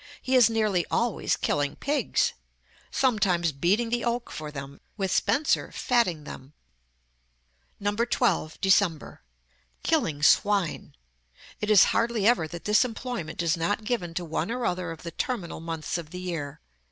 He is nearly always killing pigs; sometimes beating the oak for them; with Spenser, fatting them. 12. DECEMBER. Killing swine. It is hardly ever that this employment is not given to one or other of the terminal months of the year.